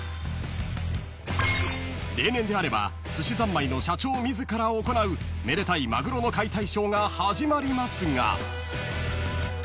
［例年であればすしざんまいの社長自ら行うめでたいマグロの解体ショーが始まりますが］